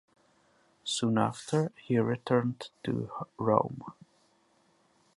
Soon after, he returned to Rome.